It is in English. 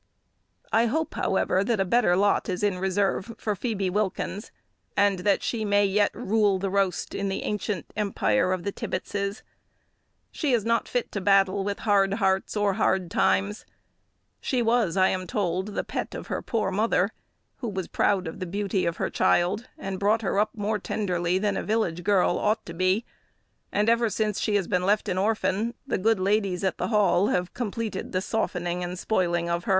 I hope, however, that a better lot is in reserve for Phoebe Wilkins, and that she may yet "rule the roast," in the ancient empire of the Tibbetses! She is not fit to battle with hard hearts or hard times. She was, I am told, the pet of her poor mother, who was proud of the beauty of her child, and brought her up more tenderly than a village girl ought to be; and ever since she has been left an orphan, the good ladies at the Hall have completed the softening and spoiling of her.